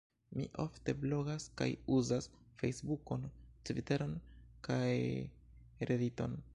Mi ofte blogas kaj uzas Fejsbukon, Tviteron kaj Rediton.